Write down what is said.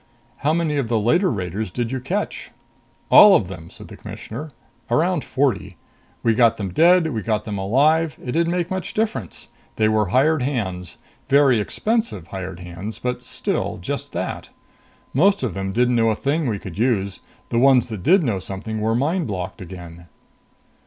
How many of the later raiders did you catch?" "All of them," said the Commissioner. "Around forty. We got them dead, we got them alive. It didn't make much difference. They were hired hands. Very expensive hired hands, but still just that. Most of them didn't know a thing we could use. The ones that did know something were mind blocked again."